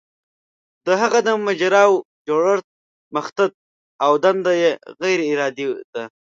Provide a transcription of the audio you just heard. د هغه د مجراوو جوړښت مخطط او دنده یې غیر ارادي ده.